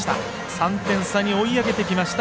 ３点差に追い上げてきました